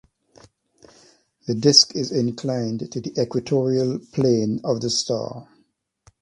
The disk is inclined to the equatorial plane of the star.